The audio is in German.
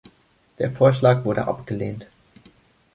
Der Vorschlag wurde abgelehnt.